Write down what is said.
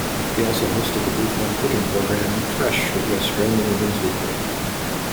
He also hosted the daytime cooking programme "Fresh with the Australian Women's Weekly".